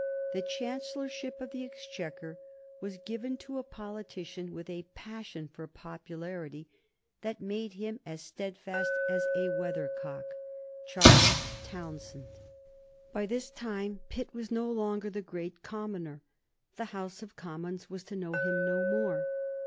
The Chancellorship of the Exchequer was given to a politician with a passion for popularity that made him as steadfast as a weathercock, Charles Townshend. [Sidenote: 1766 Pitt as Earl of Chatham] By this time Pitt was no longer the Great Commoner. The House of Commons was to know him no more.